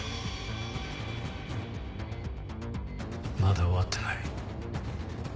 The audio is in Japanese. まだ終わってない。